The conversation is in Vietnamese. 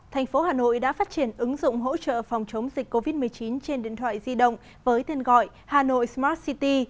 thành phố hà nội đã phát triển ứng dụng hỗ trợ phòng chống dịch covid một mươi chín trên điện thoại di động với tên gọi hà nội smart city